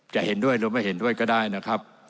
จะเห็นด้วยหรือไม่เห็นด้วยก็ได้นะครับ